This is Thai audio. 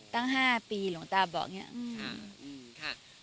ตั้ง๕ปีหลวงตาบอกอย่างนี้ค่ะ